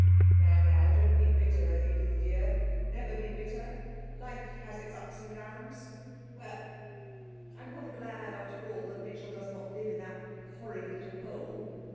'Now, now, don't be bitter, Edith dear never be bitter life has its ups and downs.... Well! I'm rather glad, after all, that Mitchell doesn't live in that horrid little hole.'